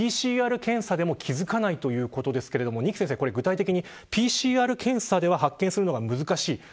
ＰＣＲ検査でも気付かないということですが二木先生、具体的にＰＣＲ検査では発見するのが難しい。